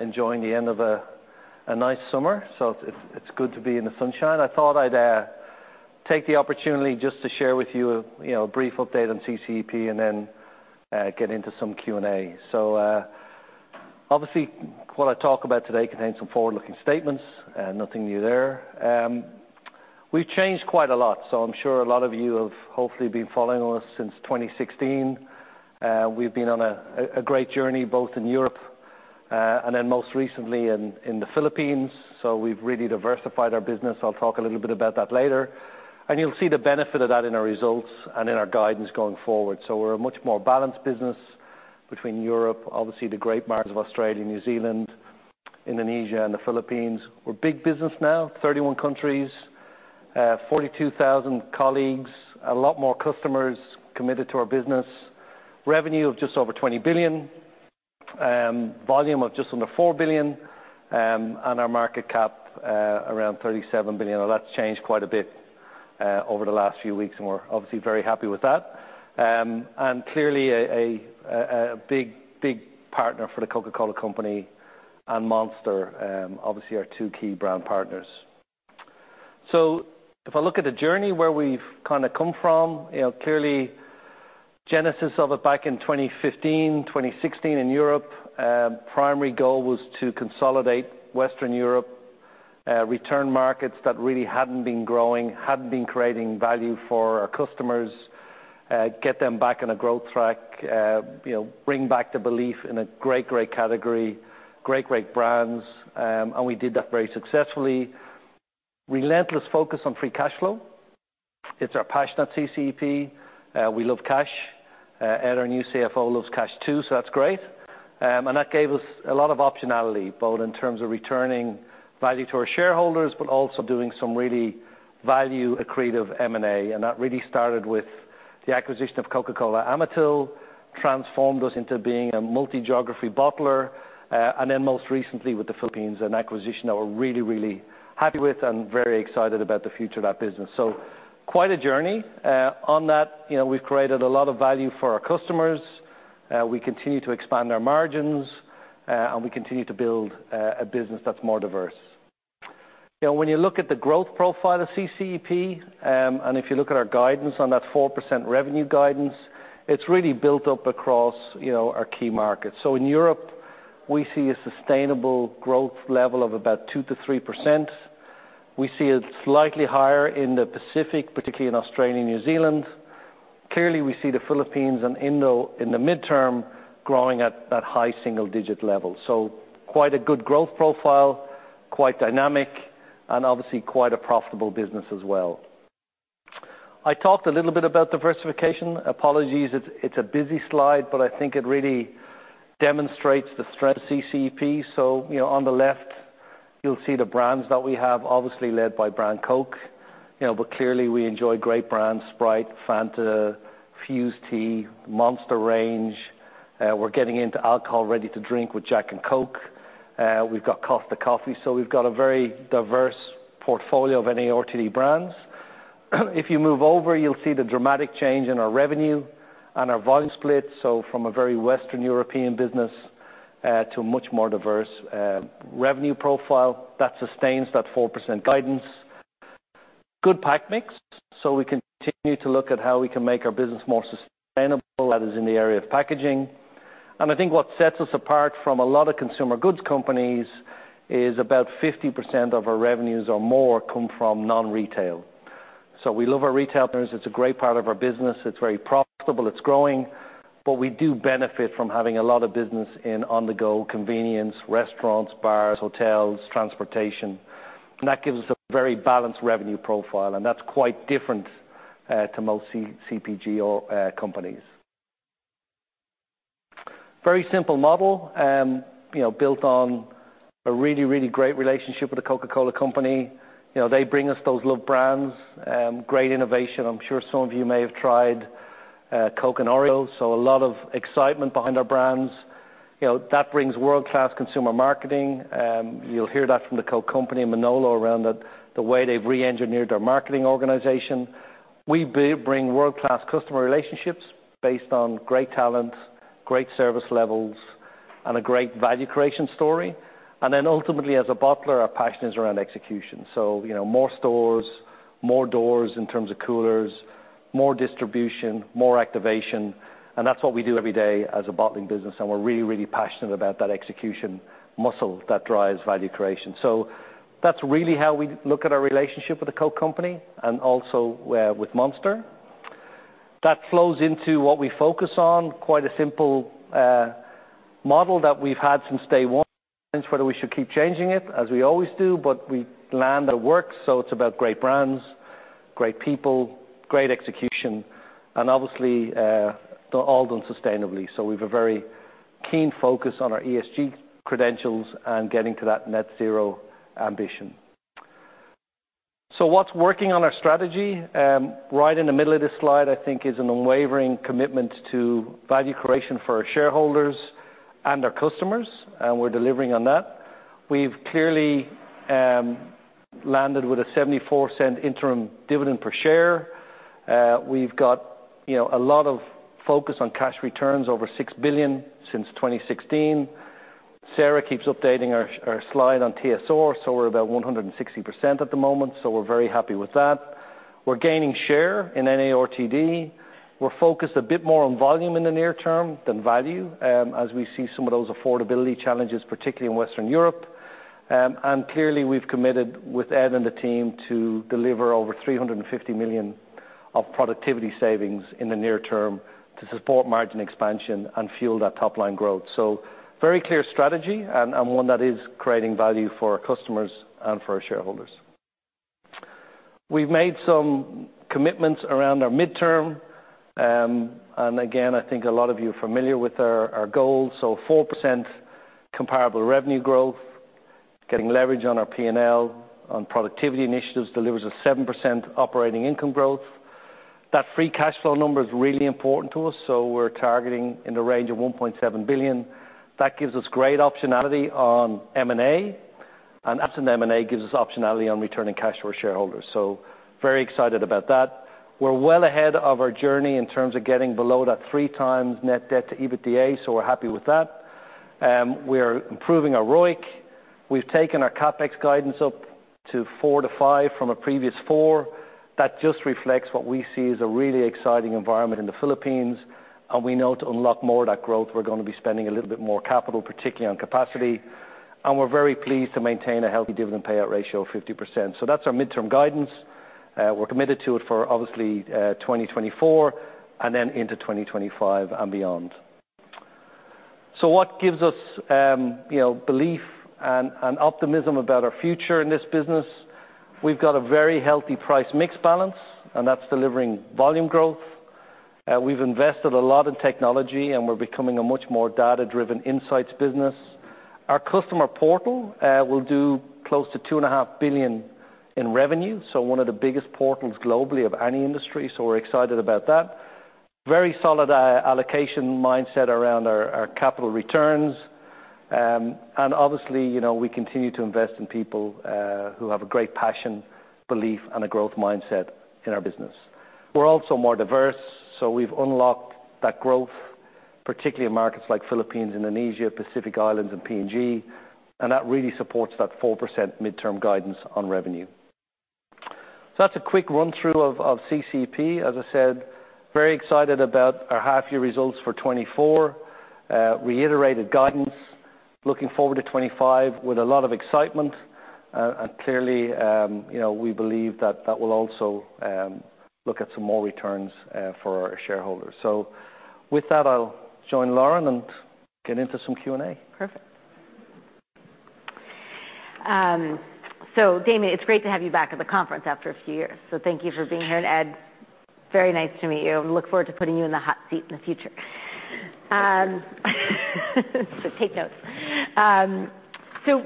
Enjoying the end of a nice summer, so it's good to be in the sunshine. I thought I'd take the opportunity just to share with you, you know, a brief update on CCEP, and then get into some Q&A. So obviously, what I talk about today contains some forward-looking statements, nothing new there. We've changed quite a lot, so I'm sure a lot of you have hopefully been following us since 2016. We've been on a great journey, both in Europe and then most recently in the Philippines. So we've really diversified our business. I'll talk a little bit about that later, and you'll see the benefit of that in our results and in our guidance going forward. We're a much more balanced business between Europe, obviously, the great markets of Australia, New Zealand, Indonesia, and the Philippines. We're big business now, 31 countries, 42,000 colleagues, a lot more customers committed to our business. Revenue of just over 20 billion, volume of just under 4 billion, and our market cap around 37 billion. Now, that's changed quite a bit over the last few weeks, and we're obviously very happy with that. And clearly, a big, big partner for The Coca-Cola Company and Monster, obviously, our two key brand partners. So if I look at the journey where we've kind of come from, you know, clearly, genesis of it back in 2015, 2016 in Europe, primary goal was to consolidate Western Europe, return markets that really hadn't been growing, hadn't been creating value for our customers, get them back on a growth track, you know, bring back the belief in a great, great category, great, great brands, and we did that very successfully. Relentless focus on free cash flow. It's our passion at CCEP. We love cash, and our new CFO loves cash, too, so that's great. And that gave us a lot of optionality, both in terms of returning value to our shareholders, but also doing some really value accretive M&A, and that really started with the acquisition of Coca-Cola Amatil, transformed us into being a multi-geography bottler, and then most recently with the Philippines, an acquisition that we're really, really happy with and very excited about the future of that business. So quite a journey. On that, you know, we've created a lot of value for our customers, we continue to expand our margins, and we continue to build a business that's more diverse. You know, when you look at the growth profile of CCEP, and if you look at our guidance on that 4% revenue guidance, it's really built up across, you know, our key markets. So in Europe, we see a sustainable growth level of about 2-3%. We see it slightly higher in the Pacific, particularly in Australia and New Zealand. Clearly, we see the Philippines and Indo in the midterm growing at that high single-digit level. So quite a good growth profile, quite dynamic, and obviously, quite a profitable business as well. I talked a little bit about diversification. Apologies, it's a busy slide, but I think it really demonstrates the strength of CCEP. So, you know, on the left, you'll see the brands that we have, obviously led by brand Coke. You know, but clearly, we enjoy great brands, Sprite, Fanta, Fuze Tea, Monster Range. We're getting into alcohol ready to drink with Jack and Coke. We've got Costa Coffee, so we've got a very diverse portfolio of any RTD brands. If you move over, you'll see the dramatic change in our revenue and our volume split, so from a very Western European business to a much more diverse revenue profile that sustains that 4% guidance. Good pack mix, so we continue to look at how we can make our business more sustainable, that is in the area of packaging. I think what sets us apart from a lot of consumer goods companies is about 50% of our revenues or more come from non-retail. We love our retail partners. It's a great part of our business. It's very profitable, it's growing, but we do benefit from having a lot of business in on-the-go, convenience, restaurants, bars, hotels, transportation. That gives us a very balanced revenue profile, and that's quite different to most CPG or companies. Very simple model, you know, built on a really, really great relationship with The Coca-Cola Company. You know, they bring us those loved brands, great innovation. I'm sure some of you may have tried, Coke and Oreo, so a lot of excitement behind our brands. You know, that brings world-class consumer marketing. You'll hear that from the Coke Company, Manolo, around the way they've reengineered their marketing organization. We bring world-class customer relationships based on great talent, great service levels, and a great value creation story. And then ultimately, as a bottler, our passion is around execution. So you know, more stores, more doors in terms of coolers, more distribution, more activation, and that's what we do every day as a bottling business, and we're really, really passionate about that execution muscle that drives value creation. So that's really how we look at our relationship with The Coca-Cola Company and also with Monster. That flows into what we focus on. Quite a simple model that we've had since day one. Whether we should keep changing it, as we always do, but we land the work, so it's about great brands, great people, great execution, and obviously all done sustainably. So we've a very keen focus on our ESG credentials and getting to that net zero ambition. So what's working on our strategy? Right in the middle of this slide, I think, is an unwavering commitment to value creation for our shareholders and our customers, and we're delivering on that. We've clearly landed with a 0.74 interim dividend per share. We've got, you know, a lot of focus on cash returns, over 6 billion since 2016. Sarah keeps updating our slide on TSR, so we're about 160% at the moment, so we're very happy with that. We're gaining share in NARTD. We're focused a bit more on volume in the near term than value, as we see some of those affordability challenges, particularly in Western Europe, and clearly, we've committed with Ed and the team to deliver over 350 million of productivity savings in the near term to support margin expansion and fuel that top-line growth, so very clear strategy and one that is creating value for our customers and for our shareholders. We've made some commitments around our midterm, and again, I think a lot of you are familiar with our goals. So 4% comparable revenue growth, getting leverage on our P&L, on productivity initiatives, delivers a 7% operating income growth. That free cash flow number is really important to us, so we're targeting in the range of €1.7 billion. That gives us great optionality on M&A, and as an M&A, gives us optionality on returning cash to our shareholders. So very excited about that. We're well ahead of our journey in terms of getting below that three times net debt to EBITDA, so we're happy with that. We are improving our ROIC. We've taken our CapEx guidance up to 4%-5% from a previous 4%. That just reflects what we see as a really exciting environment in the Philippines, and we know to unlock more of that growth, we're gonna be spending a little bit more capital, particularly on capacity. We're very pleased to maintain a healthy dividend payout ratio of 50%. That's our midterm guidance. We're committed to it for, obviously, twenty twenty-four, and then into twenty twenty-five and beyond. What gives us belief and optimism about our future in this business? We've got a very healthy price mix balance, and that's delivering volume growth. We've invested a lot in technology, and we're becoming a much more data-driven insights business. Our customer portal will do close to €2.5 billion in revenue, so one of the biggest portals globally of any industry, so we're excited about that. Very solid allocation mindset around our capital returns. And obviously, you know, we continue to invest in people who have a great passion, belief, and a growth mindset in our business. We're also more diverse, so we've unlocked that growth, particularly in markets like Philippines, Indonesia, Pacific Islands, and PNG, and that really supports that 4% midterm guidance on revenue. So that's a quick run-through of CCEP. As I said, very excited about our half-year results for 2024. Reiterated guidance, looking forward to 2025 with a lot of excitement. And clearly, you know, we believe that that will also look at some more returns for our shareholders. So with that, I'll join Lauren and get into some Q&A. Perfect. So Damian, it's great to have you back at the conference after a few years, so thank you for being here, and Ed, very nice to meet you, and look forward to putting you in the hot seat in the future, so take notes,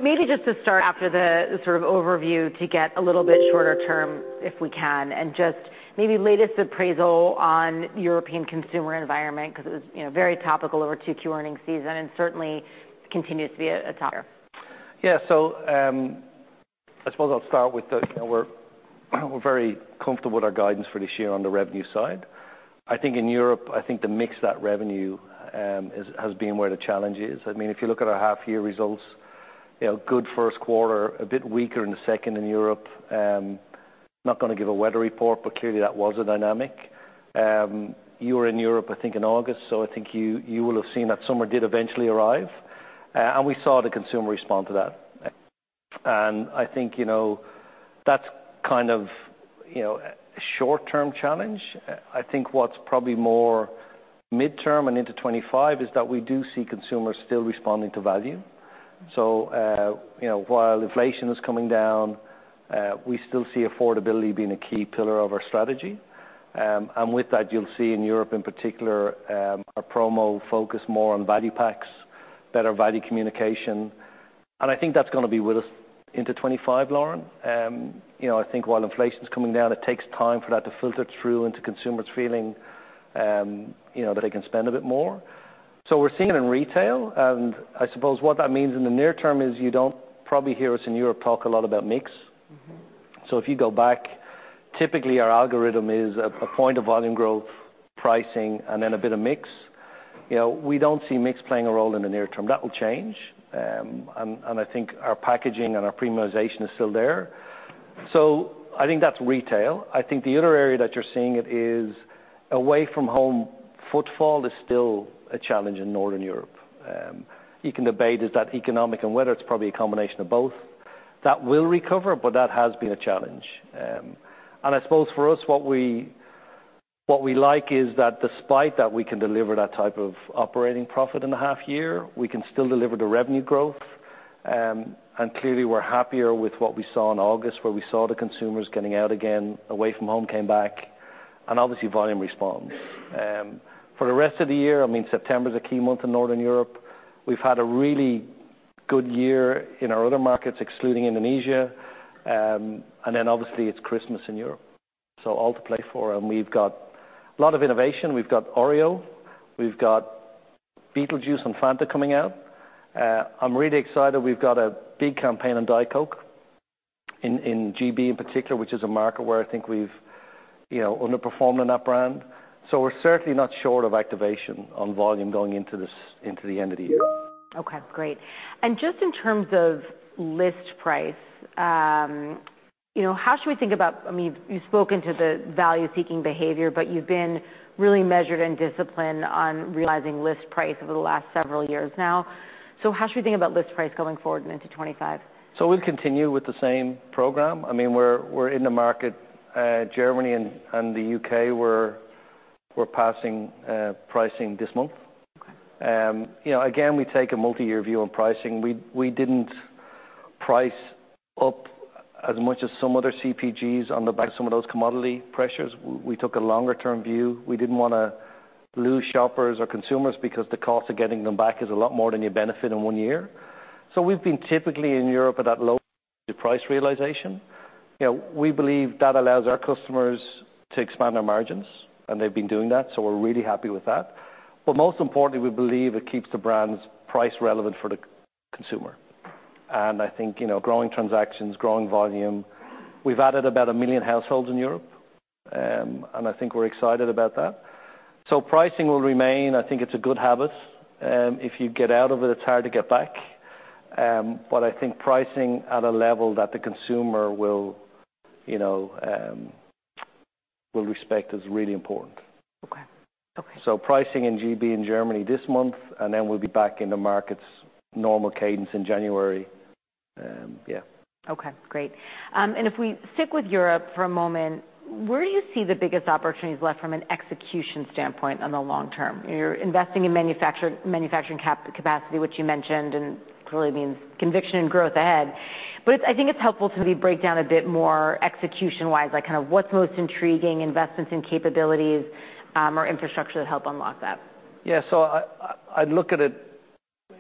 maybe just to start after the sort of overview to get a little bit shorter term, if we can, and just maybe latest appraisal on European consumer environment, 'cause it was, you know, very topical over 2Q earnings season and certainly continues to be a topic. Yeah. So, I suppose I'll start with the... You know, we're very comfortable with our guidance for this year on the revenue side. I think in Europe, I think the mix of that revenue has been where the challenge is. I mean, if you look at our half year results, you know, good first quarter, a bit weaker in the second in Europe. Not gonna give a weather report, but clearly, that was a dynamic. You were in Europe, I think, in August, so I think you will have seen that summer did eventually arrive, and we saw the consumer respond to that. And I think, you know, that's kind of, you know, a short-term challenge. I think what's probably more midterm and into twenty-five is that we do see consumers still responding to value. So, you know, while inflation is coming down, we still see affordability being a key pillar of our strategy. And with that, you'll see in Europe in particular, our promo focus more on value packs, better value communication. And I think that's gonna be with us into 2025, Lauren. You know, I think while inflation is coming down, it takes time for that to filter through into consumers feeling, you know, that they can spend a bit more. So we're seeing it in retail, and I suppose what that means in the near term is you don't probably hear us in Europe talk a lot about mix. Mm-hmm. So if you go back, typically our algorithm is a point of volume growth, pricing, and then a bit of mix. You know, we don't see mix playing a role in the near term. That will change. And I think our packaging and our premiumization is still there. So I think that's retail. I think the other area that you're seeing it is away from home. Footfall is still a challenge in Northern Europe. You can debate: is that economic, and whether it's probably a combination of both. That will recover, but that has been a challenge. And I suppose for us, what we like is that despite that, we can deliver that type of operating profit in a half year. We can still deliver the revenue growth. And clearly, we're happier with what we saw in August, where we saw the consumers getting out again, away from home, came back, and obviously, volume responds. For the rest of the year, I mean, September is a key month in Northern Europe. We've had a really good year in our other markets, excluding Indonesia, and then obviously, it's Christmas in Europe, so all to play for. And we've got a lot of innovation. We've got Oreo, we've got Beetlejuice and Fanta coming out. I'm really excited. We've got a big campaign on Diet Coke in GB in particular, which is a market where I think we've, you know, underperformed on that brand. So we're certainly not short of activation on volume going into this, into the end of the year. Okay, great. And just in terms of list price, you know, how should we think about—I mean, you've spoken to the value-seeking behavior, but you've been really measured and disciplined on realizing list price over the last several years now. So how should we think about list price going forward into 2025? So we'll continue with the same program. I mean, we're in the market, Germany and the UK, we're passing pricing this month. Okay. You know, again, we take a multi-year view on pricing. We didn't price up as much as some other CPGs on the back of some of those commodity pressures. We took a longer-term view. We didn't wanna lose shoppers or consumers because the cost of getting them back is a lot more than you benefit in one year. So we've been typically in Europe at that low price realization. You know, we believe that allows our customers to expand their margins, and they've been doing that, so we're really happy with that. But most importantly, we believe it keeps the brand's price relevant for the consumer. And I think, you know, growing transactions, growing volume, we've added about a million households in Europe, and I think we're excited about that. So pricing will remain. I think it's a good habit, if you get out of it, it's hard to get back. But I think pricing at a level that the consumer will, you know, respect is really important. Okay. Okay. Pricing in GB and Germany this month, and then we'll be back in the markets' normal cadence in January. Okay, great. And if we stick with Europe for a moment, where do you see the biggest opportunities left from an execution standpoint on the long term? You're investing in manufacturing capacity, which you mentioned, and clearly means conviction and growth ahead. But it's. I think it's helpful to break down a bit more execution-wise, like, kind of what's most intriguing, investments in capabilities, or infrastructure to help unlock that. Yeah, so I'd look at it,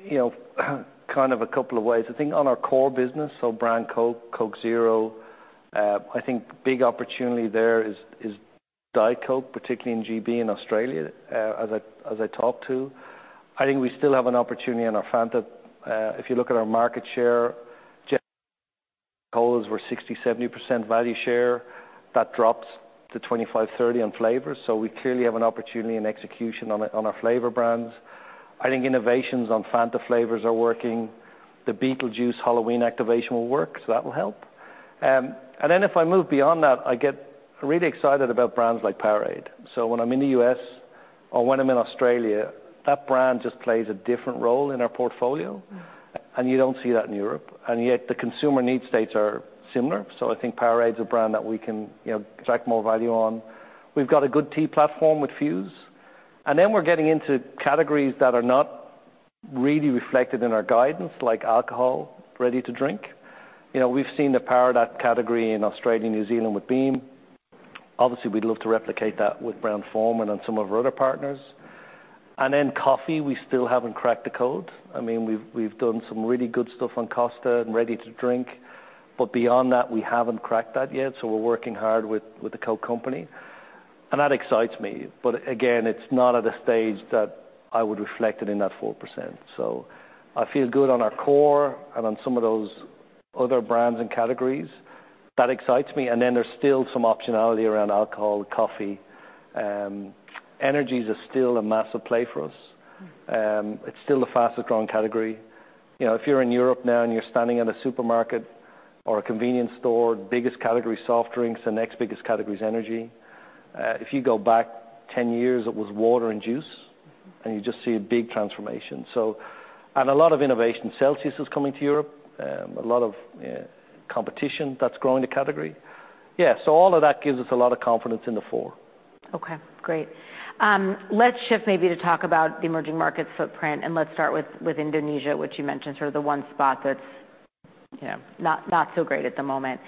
you know, kind of a couple of ways. I think on our core business, so brand Coke, Coke Zero, I think big opportunity there is Diet Coke, particularly in GB and Australia, as I talked to. I think we still have an opportunity in our Fanta. If you look at our market share, vols were 60-70% value share. That drops to 25-30% on flavors, so we clearly have an opportunity in execution on our flavor brands. I think innovations on Fanta flavors are working. The Beetlejuice Halloween activation will work, so that will help. And then if I move beyond that, I get really excited about brands like Powerade. So when I'm in the US or when I'm in Australia, that brand just plays a different role in our portfolio, and you don't see that in Europe, and yet the consumer need states are similar. So I think Powerade's a brand that we can, you know, extract more value on. We've got a good tea platform with Fuze, and then we're getting into categories that are not really reflected in our guidance, like alcohol, ready to drink. You know, we've seen the power of that category in Australia, New Zealand with Beam. Obviously, we'd love to replicate that with Brown-Forman and some of our other partners. And then coffee, we still haven't cracked the code. I mean, we've done some really good stuff on Costa and ready to drink, but beyond that, we haven't cracked that yet, so we're working hard with the Coke company, and that excites me. But again, it's not at a stage that I would reflect it in that 4%. So I feel good on our core and on some of those other brands and categories. That excites me, and then there's still some optionality around alcohol, coffee. Energies are still a massive play for us. It's still the fastest growing category. You know, if you're in Europe now and you're standing in a supermarket or a convenience store, biggest category is soft drinks, the next biggest category is energy. If you go back ten years, it was water and juice, and you just see a big transformation. So... and a lot of innovation. Celsius is coming to Europe, a lot of competition that's growing the category. Yeah, so all of that gives us a lot of confidence in the four. Okay, great. Let's shift maybe to talk about the emerging market footprint, and let's start with Indonesia, which you mentioned, sort of the one spot that's, you know, not so great at the moment.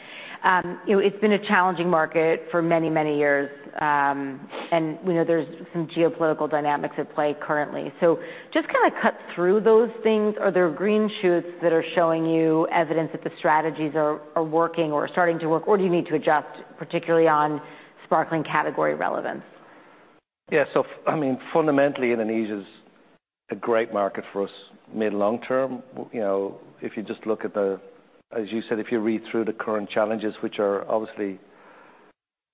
You know, it's been a challenging market for many, many years, and we know there's some geopolitical dynamics at play currently. So just kind of cut through those things. Are there green shoots that are showing you evidence that the strategies are working or starting to work, or do you need to adjust, particularly on sparkling category relevance? Yeah, so I mean, fundamentally, Indonesia's a great market for us mid long term. You know, if you just look at the... As you said, if you read through the current challenges, which are obviously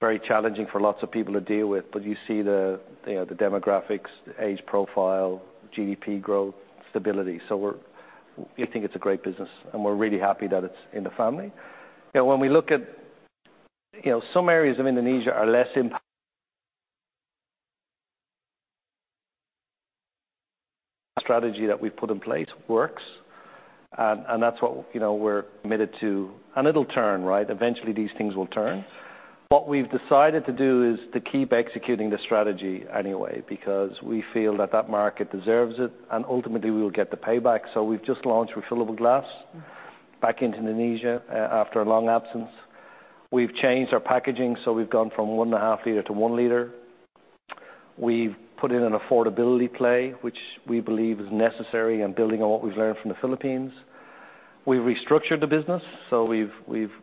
very challenging for lots of people to deal with, but you see the, you know, the demographics, the age profile, GDP growth, stability. So we think it's a great business, and we're really happy that it's in the family. You know, when we look at, you know, some areas of Indonesia are less impact-... strategy that we've put in place works. And that's what, you know, we're committed to, and it'll turn, right? Eventually, these things will turn. What we've decided to do is to keep executing the strategy anyway, because we feel that that market deserves it, and ultimately, we will get the payback. So we've just launched Refillable Glass back in Indonesia after a long absence. We've changed our packaging, so we've gone from one and a half liter to one liter. We've put in an affordability play, which we believe is necessary, and building on what we've learned from the Philippines we restructured the business, so we've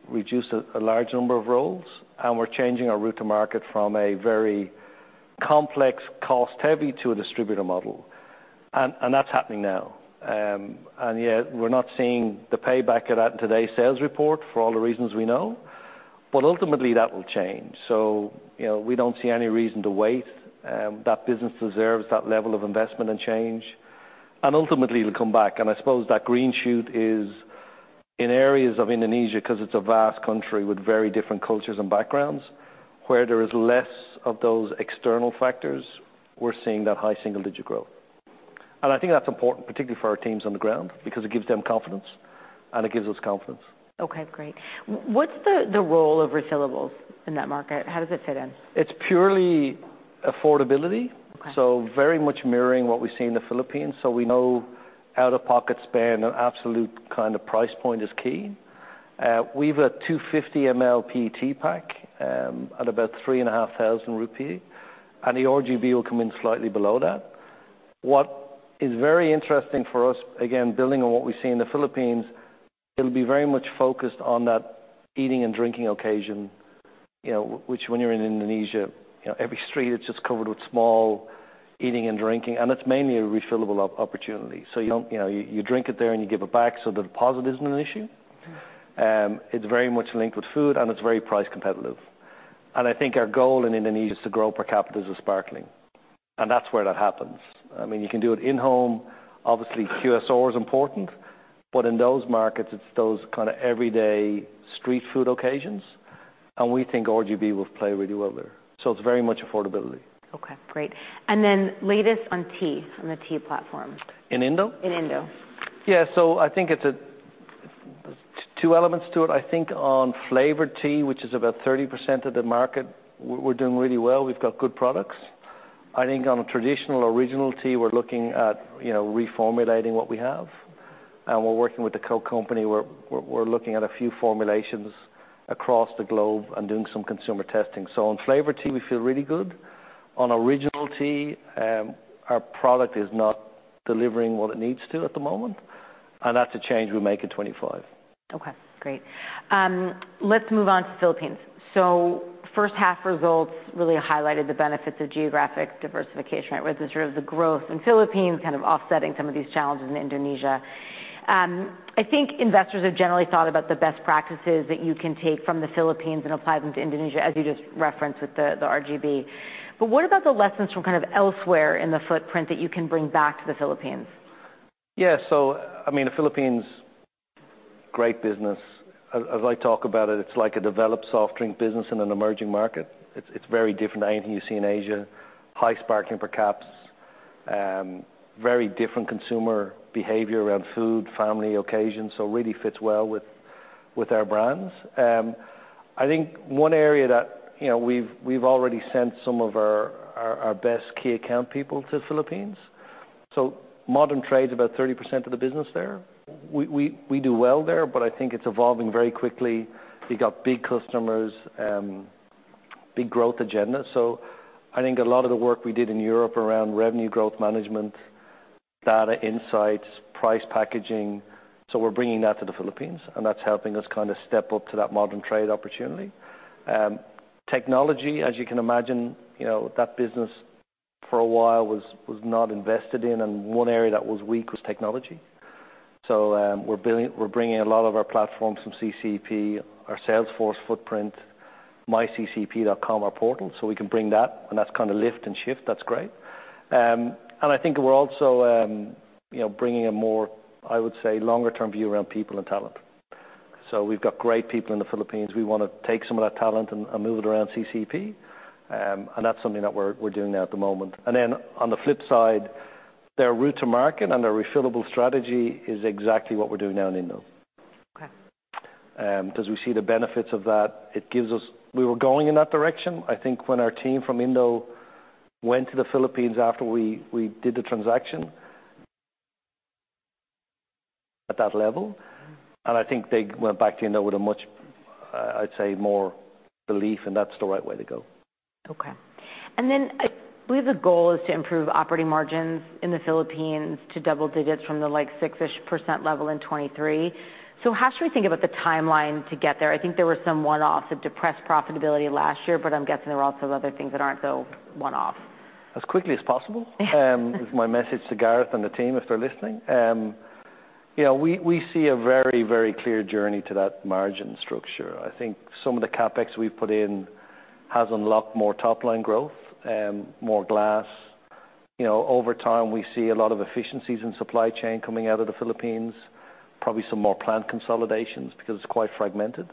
reduced a large number of roles, and we're changing our route to market from a very complex, cost-heavy to a distributor model. And that's happening now. And yeah, we're not seeing the payback of that in today's sales report for all the reasons we know, but ultimately, that will change. You know, we don't see any reason to wait. That business deserves that level of investment and change, and ultimately, it'll come back. I suppose that green shoot is in areas of Indonesia, because it's a vast country with very different cultures and backgrounds, where there is less of those external factors. We're seeing that high single-digit growth. I think that's important, particularly for our teams on the ground, because it gives them confidence, and it gives us confidence. Okay, great. What's the role of refillables in that market? How does it fit in? It's purely affordability. Okay. So very much mirroring what we see in the Philippines. So we know out-of-pocket spend and absolute kind of price point is key. We've a 250 mL PET pack at about 3,500 rupee, and the RGB will come in slightly below that. What is very interesting for us, again, building on what we see in the Philippines, it'll be very much focused on that eating and drinking occasion, you know, which when you're in Indonesia, you know, every street, it's just covered with small eating and drinking, and it's mainly a refillable opportunity. So you don't... You know, you drink it there, and you give it back, so the deposit isn't an issue. It's very much linked with food, and it's very price competitive. And I think our goal in Indonesia is to grow per capita as a sparkling, and that's where that happens. I mean, you can do it in-home. Obviously, QSR is important, but in those markets, it's those kind of everyday street food occasions, and we think RGB will play really well there. So it's very much affordability. Okay, great. And then latest on tea, on the tea platform. In Indo? In Indo. Yeah, so I think it's two elements to it. I think on flavored tea, which is about 30% of the market, we're doing really well. We've got good products. I think on a traditional original tea, we're looking at, you know, reformulating what we have, and we're working with The Coca-Cola Company, looking at a few formulations across the globe and doing some consumer testing. So on flavored tea, we feel really good. On original tea, our product is not delivering what it needs to at the moment, and that's a change we'll make in 2025. Okay, great. Let's move on to Philippines. So first half results really highlighted the benefits of geographic diversification, right, with the sort of the growth in Philippines, kind of offsetting some of these challenges in Indonesia. I think investors have generally thought about the best practices that you can take from the Philippines and apply them to Indonesia, as you just referenced with the, the RGB. But what about the lessons from kind of elsewhere in the footprint that you can bring back to the Philippines? Yeah. So I mean, the Philippines, great business. As I talk about it, it's like a developed soft drink business in an emerging market. It's very different to anything you see in Asia. High sparkling per caps, very different consumer behavior around food, family, occasion, so really fits well with our brands. I think one area that, you know, we've already sent some of our best key account people to the Philippines. So modern trade's about 30% of the business there. We do well there, but I think it's evolving very quickly. We've got big customers, big growth agenda. So I think a lot of the work we did in Europe around revenue growth management, data insights, price packaging, so we're bringing that to the Philippines, and that's helping us kind of step up to that modern trade opportunity. Technology, as you can imagine, you know, that business for a while was not invested in, and one area that was weak was technology. So, we're bringing a lot of our platforms from CCEP, our sales force footprint, myccep.com, our portal, so we can bring that, and that's kind of lift and shift. That's great, and I think we're also, you know, bringing a more, I would say, longer-term view around people and talent, so we've got great people in the Philippines. We want to take some of that talent and move it around CCEP, and that's something that we're doing now at the moment. And then on the flip side, their route to market and their refillable strategy is exactly what we're doing now in Indo. Okay. As we see the benefits of that, it gives us... We were going in that direction. I think when our team from Indo went to the Philippines after we did the transaction, at that level, and I think they went back to Indo with a much, I'd say, more belief, and that's the right way to go. Okay. And then I believe the goal is to improve operating margins in the Philippines to double digits from the, like, six-ish% level in 2023. So how should we think about the timeline to get there? I think there were some one-offs that depressed profitability last year, but I'm guessing there were also other things that aren't so one-off. As quickly as possible is my message to Gareth and the team, if they're listening. You know, we see a very, very clear journey to that margin structure. I think some of the CapEx we've put in has unlocked more top-line growth, more glass. You know, over time, we see a lot of efficiencies in supply chain coming out of the Philippines, probably some more plant consolidations, because it's quite fragmented.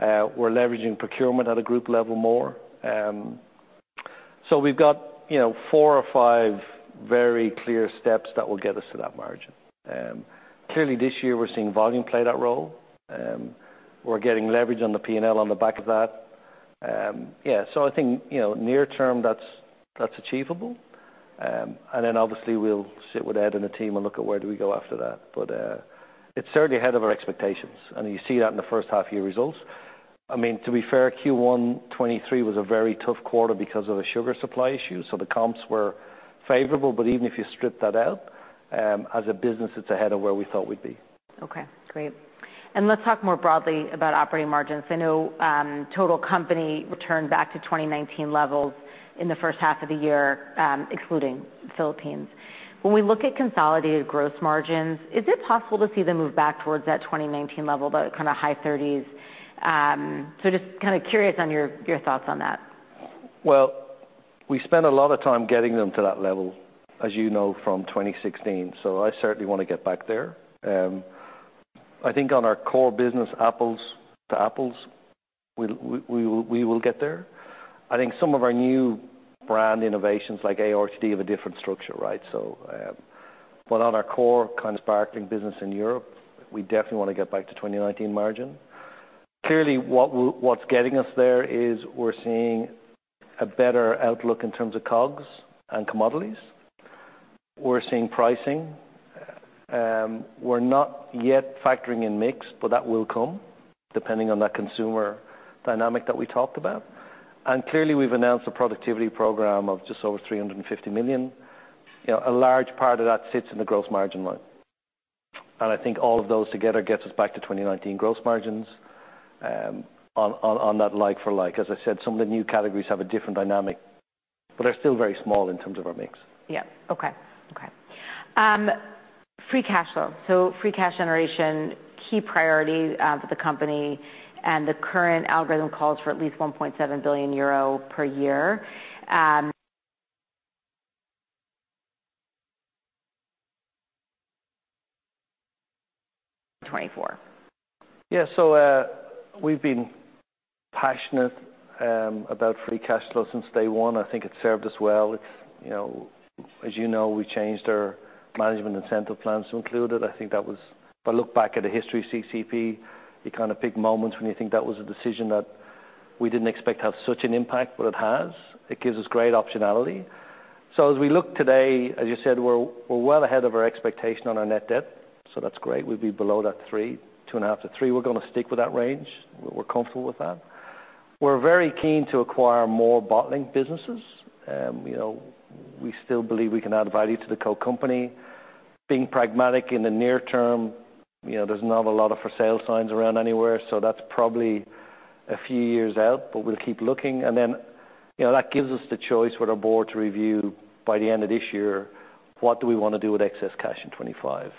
We're leveraging procurement at a group level more. So we've got, you know, four or five very clear steps that will get us to that margin. Clearly, this year we're seeing volume play that role. We're getting leverage on the P&L on the back of that. Yeah, so I think, you know, near term, that's achievable. And then obviously, we'll sit with Ed and the team and look at where do we go after that. But, it's certainly ahead of our expectations, and you see that in the first half year results. I mean, to be fair, Q1 2023 was a very tough quarter because of the sugar supply issue, so the comps were favorable. But even if you strip that out, as a business, it's ahead of where we thought we'd be. Okay, great. And let's talk more broadly about operating margins. I know, total company returned back to 2019 levels in the first half of the year, excluding Philippines. When we look at consolidated gross margins, is it possible to see them move back towards that 2019 level, that kind of high 30s? So just kind of curious on your, your thoughts on that. We spent a lot of time getting them to that level, as you know, from 2016, so I certainly want to get back there. I think on our core business, apples to apples, we will get there. I think some of our new brand innovations, like ARTD, have a different structure, right? So, but on our core kind of sparkling business in Europe, we definitely want to get back to 2019 margin. Clearly, what's getting us there is we're seeing a better outlook in terms of COGS and commodities. We're seeing pricing. We're not yet factoring in mix, but that will come depending on that consumer dynamic that we talked about. And clearly, we've announced a productivity program of just over 350 million. You know, a large part of that sits in the gross margin line. I think all of those together gets us back to 2019 gross margins, on that like for like. As I said, some of the new categories have a different dynamic, but they're still very small in terms of our mix. Yeah. Okay, okay. Free cash flow. So free cash generation, key priority for the company, and the current algorithm calls for at least 1.7 billion euro per year. 2024. Yeah, so, we've been passionate about free cash flow since day one. I think it served us well. You know, as you know, we changed our management incentive plans to include it. I think that was. If I look back at the history of CCEP, you kind of pick moments when you think that was a decision that we didn't expect to have such an impact, but it has. It gives us great optionality. So as we look today, as you said, we're well ahead of our expectation on our net debt, so that's great. We'd be below that three, two and a half to three. We're gonna stick with that range. We're comfortable with that. We're very keen to acquire more bottling businesses. You know, we still believe we can add value to the Coke company. Being pragmatic in the near term, you know, there's not a lot of for sale signs around anywhere, so that's probably a few years out, but we'll keep looking. And then, you know, that gives us the choice for our board to review by the end of this year, what do we wanna do with excess cash in 2025?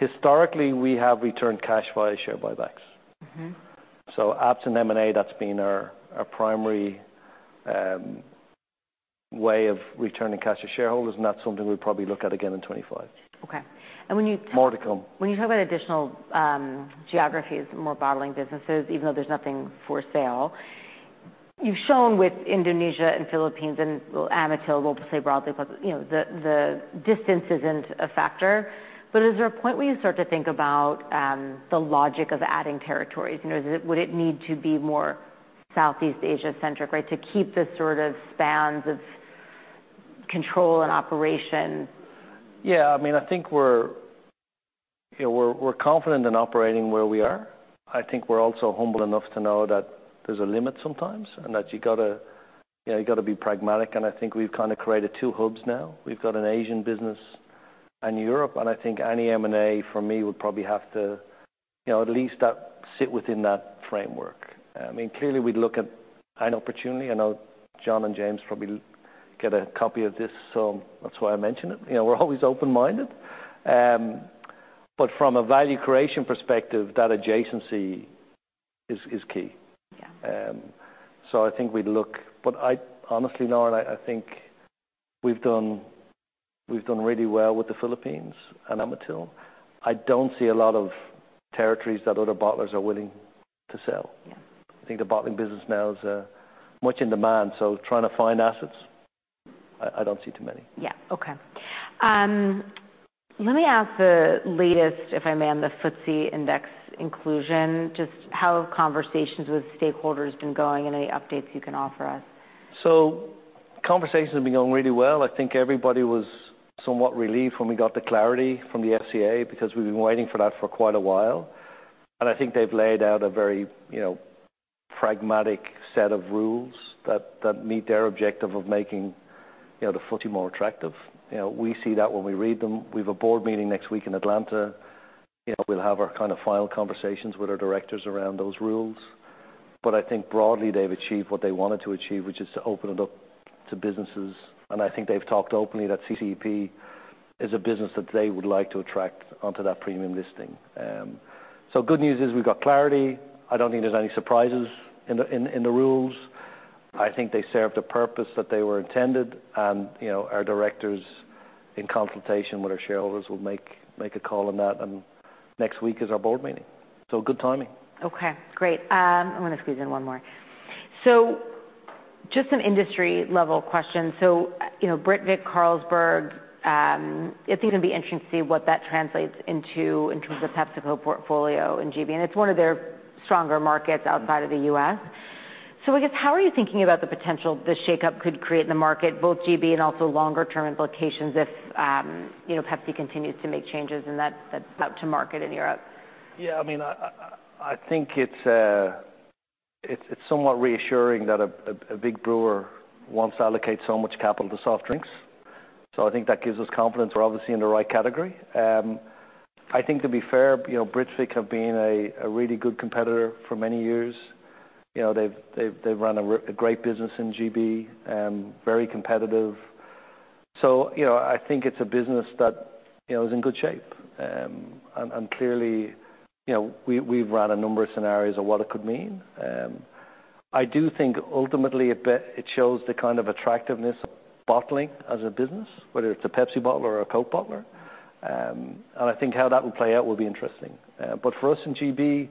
Historically, we have returned cash via share buybacks. Mm-hmm. So absent M&A, that's been our primary way of returning cash to shareholders, and that's something we'll probably look at again in 2025. Okay. And when you- More to come. When you talk about additional geographies, more bottling businesses, even though there's nothing for sale, you've shown with Indonesia and Philippines and Amatil, we'll just say broadly, because, you know, the distance isn't a factor. But is there a point where you start to think about the logic of adding territories? You know, is it, would it need to be more Southeast Asia centric, right, to keep the sort of spans of control and operation? Yeah, I mean, I think we're... You know, we're confident in operating where we are. I think we're also humble enough to know that there's a limit sometimes, and that you gotta, you know, you gotta be pragmatic, and I think we've kind of created two hubs now. We've got an Asian business and Europe, and I think any M&A for me would probably have to, you know, at least up, sit within that framework. I mean, clearly, we'd look at an opportunity. I know John and James probably get a copy of this, so that's why I mention it. You know, we're always open-minded. But from a value creation perspective, that adjacency is key. Yeah. So, I think we'd look... But honestly, Nora, I think we've done really well with the Philippines and Amatil. I don't see a lot of territories that other bottlers are willing to sell. Yeah. I think the bottling business now is much in demand, so trying to find assets, I don't see too many. Yeah. Okay. Let me ask the latest, if I may, on the FTSE index inclusion, just how have conversations with stakeholders been going, and any updates you can offer us? Conversations have been going really well. I think everybody was somewhat relieved when we got the clarity from the FCA, because we've been waiting for that for quite a while. I think they've laid out a very, you know, pragmatic set of rules that meet their objective of making, you know, the FTSE more attractive. You know, we see that when we read them. We've a board meeting next week in Atlanta. You know, we'll have our kind of final conversations with our directors around those rules. I think broadly, they've achieved what they wanted to achieve, which is to open it up to businesses, and I think they've talked openly that CCEP is a business that they would like to attract onto that premium listing. Good news is we've got clarity. I don't think there's any surprises in the rules. I think they served the purpose that they were intended, and, you know, our directors, in consultation with our shareholders, will make a call on that, and next week is our board meeting. So good timing. Okay, great. I want to squeeze in one more. So just some industry-level questions. So, you know, Britvic, Carlsberg, I think it's gonna be interesting to see what that translates into in terms of PepsiCo portfolio in GB, and it's one of their stronger markets outside of the US. So I guess, how are you thinking about the potential this shakeup could create in the market, both GB and also longer-term implications, if, you know, Pepsi continues to make changes, and that's out to market in Europe? Yeah, I mean, I think it's somewhat reassuring that a big brewer wants to allocate so much capital to soft drinks. So I think that gives us confidence we're obviously in the right category. I think, to be fair, you know, Britvic have been a really good competitor for many years. You know, they've run a great business in GB, very competitive. So, you know, I think it's a business that, you know, is in good shape. And clearly, you know, we've ran a number of scenarios of what it could mean. I do think ultimately, it shows the kind of attractiveness of bottling as a business, whether it's a Pepsi bottler or a Coke bottler. And I think how that will play out will be interesting. But for us in GB,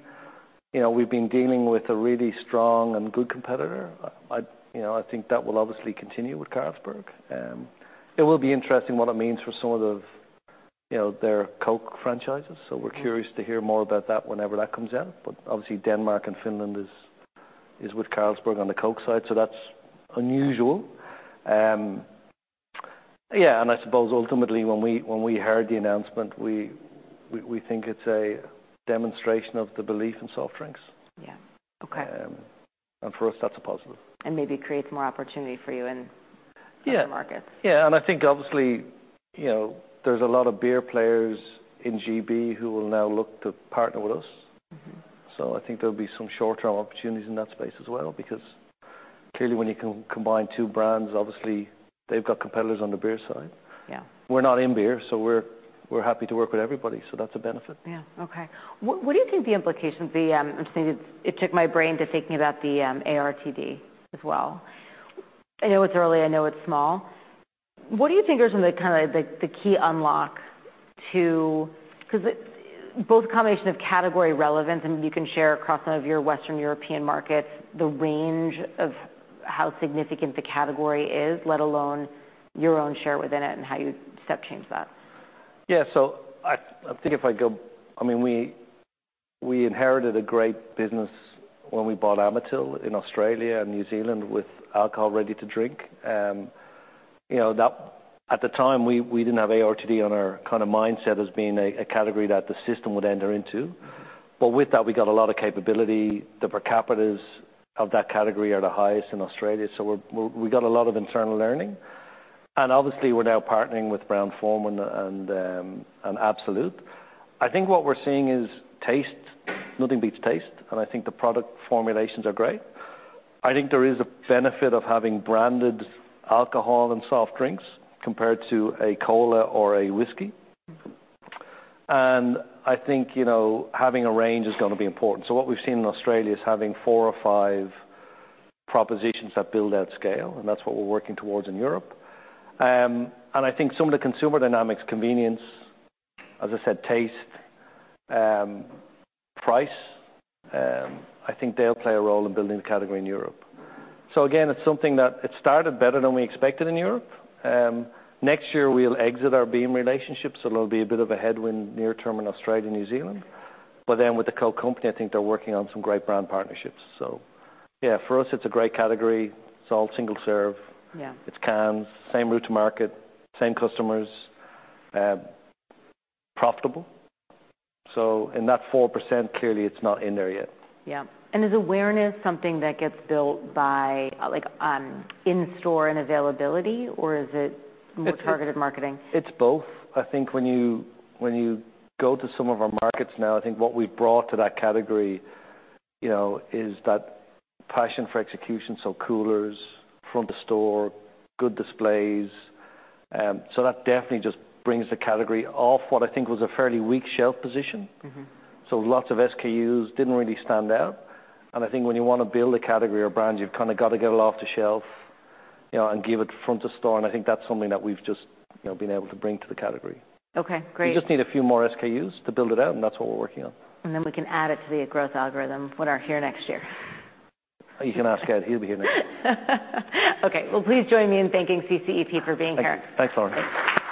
you know, we've been dealing with a really strong and good competitor. I, you know, I think that will obviously continue with Carlsberg. It will be interesting what it means for some of the, you know, their Coke franchises, so we're curious to hear more about that whenever that comes out. But obviously, Denmark and Finland is with Carlsberg on the Coke side, so that's unusual. Yeah, and I suppose ultimately, when we heard the announcement, we think it's a demonstration of the belief in soft drinks. Yeah. Okay. And for us, that's a positive. And maybe creates more opportunity for you in- Yeah -other markets. Yeah, and I think obviously, you know, there's a lot of beer players in GB who will now look to partner with us. Mm-hmm. So I think there'll be some short-term opportunities in that space as well, because clearly, when you can combine two brands, obviously, they've got competitors on the beer side. Yeah. We're not in beer, so we're happy to work with everybody, so that's a benefit. Yeah. Okay. What do you think the implications of the, I'm saying it, it took my brain to think about the ARTD as well. I know it's early, I know it's small. What do you think are some of the, kinda the key unlock to 'cause it both combination of category relevance, and you can share across some of your Western European markets, the range of how significant the category is, let alone your own share within it and how you step change that? Yeah, so I think if I go... I mean, we inherited a great business when we bought Amatil in Australia and New Zealand with alcohol ready to drink. You know, that—at the time, we didn't have ARTD on our kind of mindset as being a category that the system would enter into. But with that, we got a lot of capability. The per capitas of that category are the highest in Australia, so we got a lot of internal learning. And obviously, we're now partnering with Brown-Forman and Absolut. I think what we're seeing is taste, nothing beats taste, and I think the product formulations are great. I think there is a benefit of having branded alcohol and soft drinks compared to a cola or a whiskey. Mm-hmm. And I think, you know, having a range is gonna be important. So what we've seen in Australia is having four or five propositions that build out scale, and that's what we're working towards in Europe. And I think some of the consumer dynamics, convenience, as I said, taste, price, I think they'll play a role in building the category in Europe. So again, it's something that it started better than we expected in Europe. Next year we'll exit our Beam relationship, so there'll be a bit of a headwind near term in Australia and New Zealand. But then with the Coke company, I think they're working on some great brand partnerships. So yeah, for us, it's a great category. It's all single serve. Yeah. It's cans, same route to market, same customers, profitable. So in that 4%, clearly, it's not in there yet. Yeah, and is awareness something that gets built by, like, in-store and availability, or is it more targeted marketing? It's both. I think when you go to some of our markets now, I think what we've brought to that category, you know, is that passion for execution, so coolers, front of store, good displays, so that definitely just brings the category off what I think was a fairly weak shelf position. Mm-hmm. Lots of SKUs didn't really stand out. I think when you want to build a category or brand, you've kind of got to get it off the shelf, you know, and give it front of store, and I think that's something that we've just, you know, been able to bring to the category. Okay, great. We just need a few more SKUs to build it out, and that's what we're working on. And then we can add it to the growth algorithm when I hear next year. You can ask Ed. He'll be here next. Okay. Well, please join me in thanking CCEP for being here. Thank you. Thanks, Lauren.